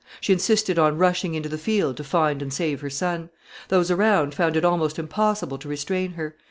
She insisted on rushing into the field to find and save her son. Those around found it almost impossible to restrain her.